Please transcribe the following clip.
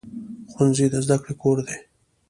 ښوونځی د زده کړې کور دی